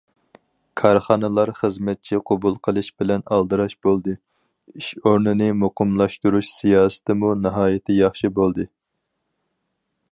كارخانىلار خىزمەتچى قوبۇل قىلىش بىلەن ئالدىراش بولدى، ئىش ئورنىنى مۇقىملاشتۇرۇش سىياسىتىمۇ ناھايىتى ياخشى بولدى.